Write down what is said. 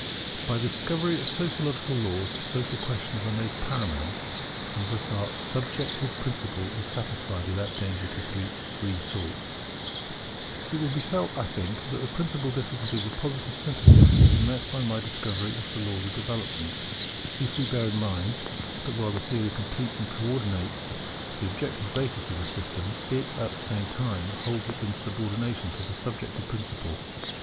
[By the discovery of Sociological laws social questions are made paramount; and thus our subjective principle is satisfied without danger to free thought] It will be felt, I think, that the principal difficulty of the Positive Synthesis was met by my discovery of the laws of development, if we bear in mind that while that theory completes and co ordinates the objective basis of the system, it at the same time holds it in subordination to the subjective principle.